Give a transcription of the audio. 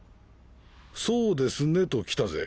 「そうですね」と来たぜ。